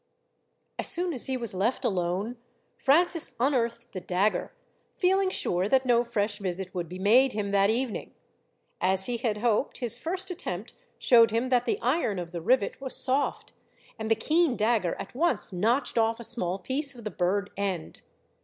As soon as he was left alone, Francis unearthed the dagger, feeling sure that no fresh visit would be made him that evening. As he had hoped, his first attempt showed him that the iron of the rivet was soft, and the keen dagger at once notched off a small piece of the burred end.